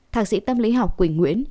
thạc sĩ tâm lý học quỳnh nguyễn